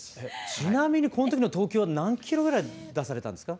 ちなみにこの時の投球は何キロぐらい出されたんですか？